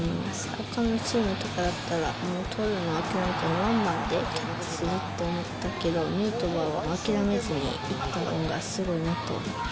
ほかのチームとかだったら、もうとるの諦めて、ワンバンでキャッチするって思ったけど、ヌートバーは、諦めずにいったのがすごいなと思った。